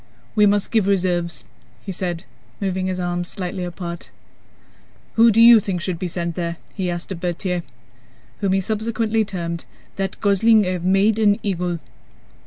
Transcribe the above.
"We must give reserves," he said, moving his arms slightly apart. "Who do you think should be sent there?" he asked of Berthier (whom he subsequently termed "that gosling I have made an eagle").